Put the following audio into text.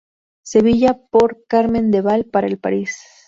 Sevilla, por "Carmen del Val" para El País.